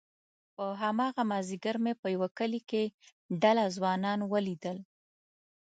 په هماغه مازيګر مې په يوه بل کلي کې ډله ځوانان وليدل،